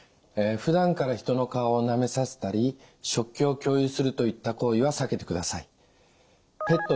ふだんから人の顔をなめさせたり食器を共有するといった行為は避けてください。